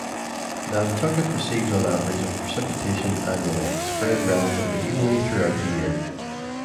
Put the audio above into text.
Nantucket receives on average of precipitation annually, spread relatively evenly throughout the year.